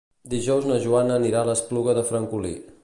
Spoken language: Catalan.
Dijous na Joana anirà a l'Espluga de Francolí.